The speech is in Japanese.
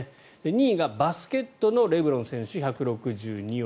２位がバスケットのレブロン選手１６２億。